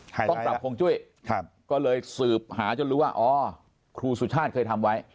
ต้องปรับฮวงจุ้ยก็เลยสืบหาจนรู้ว่าอ๋อครูสุชาติเคยทำไว้